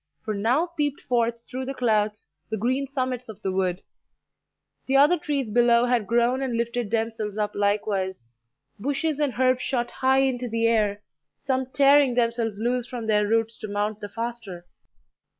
for now peeped forth through the clouds the green summits of the wood; the other trees below had grown and lifted themselves up likewise; bushes and herbs shot high into the air, some tearing themselves loose from their roots to mount the faster.